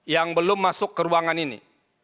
yang belum masuk ke ruangan ini